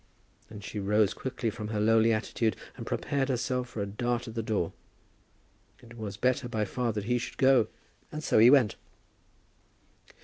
Then she rose quickly from her lowly attitude, and prepared herself for a dart at the door. It was better by far that he should go, and so he went.